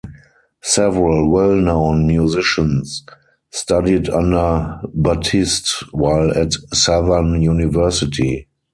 Several well-known musicians studied under Batiste while at Southern University.